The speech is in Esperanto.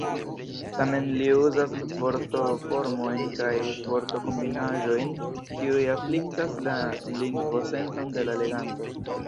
Tamen li uzas vortoformojn kaj vortokombinaĵojn, kiuj afliktas la lingvosenton de la leganto.